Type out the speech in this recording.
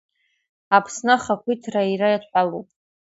Аԥсны ахақәира иара иадҳәалоуп.